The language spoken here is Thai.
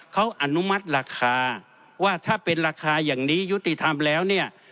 เขาอนุมัติราคาว่าถ้าเป็นราคาอย่างนี้ยุติธรรมแล้วเนี่ย